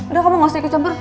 udah kamu gak usah ikut campur